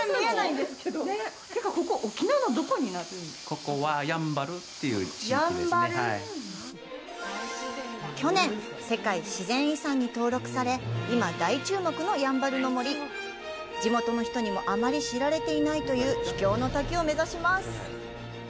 ここは去年世界自然遺産に登録され今大注目のやんばるの森地元の人にもあまり知られていないという秘境の滝を目指します